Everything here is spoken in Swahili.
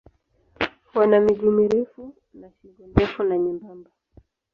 Wana miguu mirefu na shingo ndefu na nyembamba.